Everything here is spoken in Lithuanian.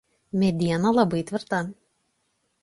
Mediena labai tvirta.